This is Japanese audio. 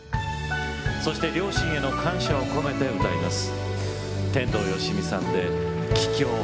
そして両親への感謝を込めて歌います。